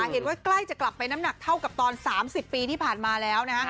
ใกล้จะกลับไปน้ำหนักเท่ากับตอน๓๐ปีที่ผ่านมาแล้วนะฮะ